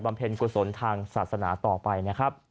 เพ็ญกุศลทางศาสนาต่อไปนะครับ